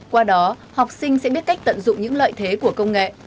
qua đó học sinh sẽ biết cách tận dụng những lợi thế của công nghệ